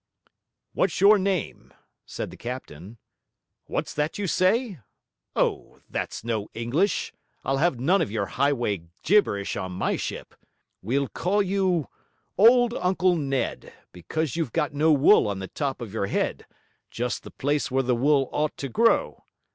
'What's your name?' said the captain. 'What's that you say? Oh, that's no English; I'll have none of your highway gibberish on my ship. We'll call you old Uncle Ned, because you've got no wool on the top of your head, just the place where the wool ought to grow.